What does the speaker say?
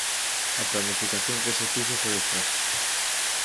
A planificación que se fixo foi escasa.